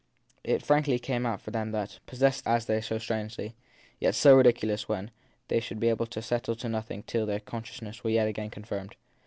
It frankly came out for them that, possessed as they so strangely, yet so ridiculously were, they should be able to settle to nothing till their consciousness was yet again con firmed.